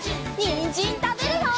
にんじんたべるよ！